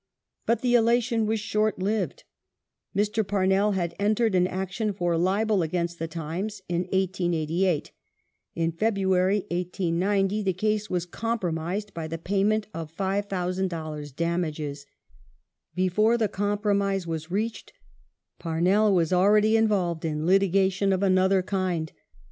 But the elation was short lived. Mr. Parnell had entered an action for libel against The Times in 1888 ; in February, 1890, the case was compromised by the payment of £5000 damages. Before the compromise was reached Parnell was already involved in litigation of another kind.